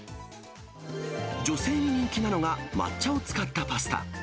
女性に人気なのが抹茶を使ったパスタ。